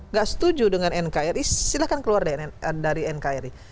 nggak setuju dengan nkri silahkan keluar dari nkri